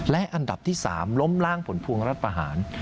และอันดับที่๓ล้มล้างผลพวงรัฐประหาร